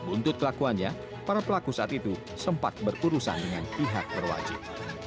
untuk kelakuannya para pelaku saat itu sempat berurusan dengan pihak berwajib